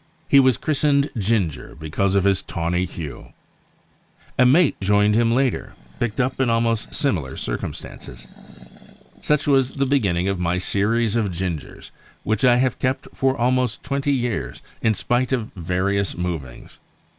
He was christened Ginger because of his tawny hue. A mate joined him later, picked up in almost similar circumstances. Such was the beginning of my series of Gingers, which I have kept for almost twenty years, in spite of various movings.